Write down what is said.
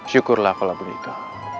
syukurlah kala budhika